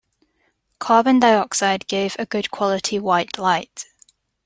Carbon dioxide gave a good quality white light.